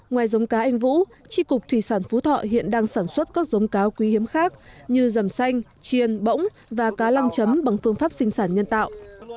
ngoài giống cá anh vũ tri cục thủy sản phú thọ hiện đang sản xuất các giống cá quý hiếm khác như dầm xanh chiên bỗng và cá lăng chấm bằng phương pháp sinh sản nhân tạo